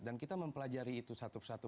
dan kita mempelajari itu satu satu